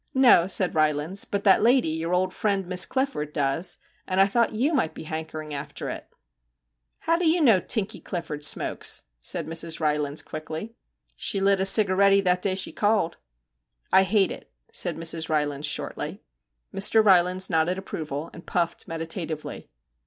' 'No, 1 said Rylands, 'but that lady, your old friend, Miss Clifford, does, and I thought you might be hankering after it/ ' How do you know Tinkie Clifford smokes?' said Mrs. Rylands quickly. ' She lit a cigaretty that day she called/ ' I hate it,' said Mrs. Rylands shortly. Mr. Rylands nodded approval, and puffed meditatively.